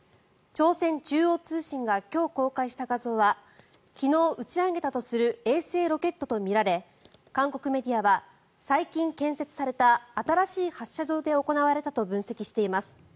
朝鮮中央通信が今日、公開した画像は昨日打ち上げたとする衛星ロケットとみられ韓国メディアは最近建設された新しい発射場で行われたと分析しています。